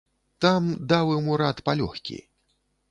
Там даў ім урад палёгкі.